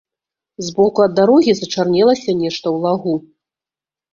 З боку ад дарогі зачарнелася нешта ў лагу.